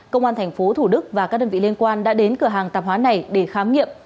công an tp thủ đức và các đơn vị liên quan đã đến cửa hàng tạp hóa này để khám nghiệm